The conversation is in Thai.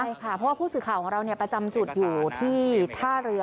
ใช่ค่ะเพราะว่าผู้สื่อข่าวของเราประจำจุดอยู่ที่ท่าเรือ